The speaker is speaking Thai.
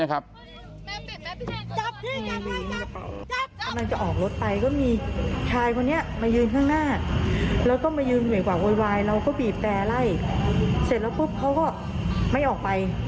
แกล้ไล่เสร็จแล้วปุ๊บเขาก็ไม่ออกไป